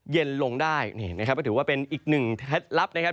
เย็นลงได้นี่นะครับก็ถือว่าเป็นอีกหนึ่งเคล็ดลับนะครับ